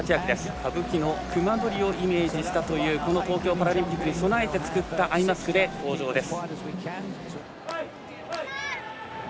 歌舞伎の隈取をイメージした東京パラリンピックに備えて作ったアイマスクで登場です。